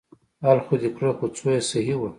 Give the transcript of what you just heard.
حل خو دې کړه خو څو يې صيي وه.